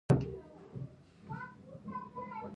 د قطبونو شپه او ورځ اوږده وي.